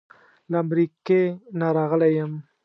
له امریکې نه راغلی یم.